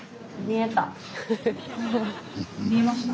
見えました？